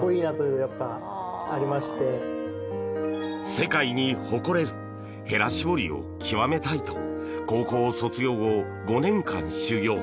世界に誇れるへら絞りを極めたいと高校を卒業後、５年間修業。